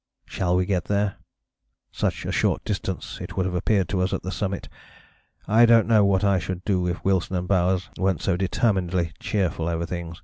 Shall we get there? Such a short distance it would have appeared to us on the summit! I don't know what I should do if Wilson and Bowers weren't so determinedly cheerful over things."